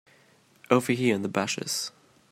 Over here in the bushes.